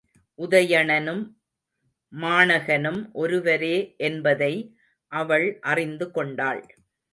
உதயணனும் மாணகனும் ஒருவரே என்பதை அவள் அறிந்துகொண்டாள்.